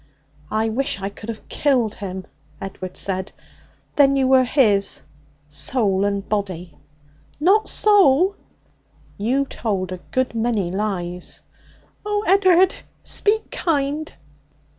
'I wish I could have killed him!' Edward said. 'Then you were his soul and body?' 'Not soul!' 'You told a good many lies.' 'Oh, Ed'ard, speak kind!'